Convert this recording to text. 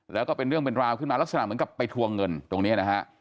แล้วก็เป็นเรื่องเป็นราวขึ้นมาลักษณะเหมือนกับไปทวงเงินตรงนี้นะฮะ